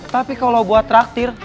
tapi kalau buat traktir